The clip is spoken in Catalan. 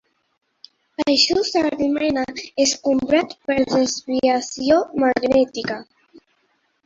Això s'anomena escombrat per desviació magnètica.